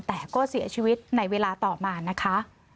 แต่ก็เสียชีวิตในเวลาต่อมานะคะ